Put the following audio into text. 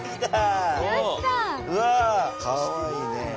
かわいいね。